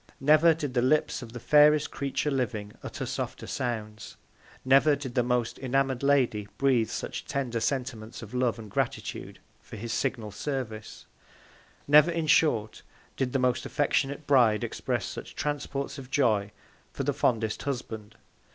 Never did the Lips of the fairest Creature living utter softer Sounds; never did the most enamoured Lady breathe such tender Sentiments of Love and Gratitude for his signal Service; never, in short, did the most affectionate Bride express such Transports of Joy for the fondest Husband.